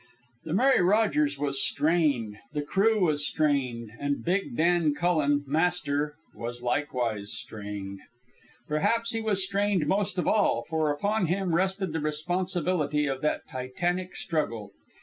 The Mary Rogers was strained, the crew was strained, and big Dan Cullen, master, was likewise strained. Perhaps he was strained most of all, for upon him rested the responsibility of that titanic struggle.